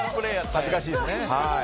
恥ずかしいですね。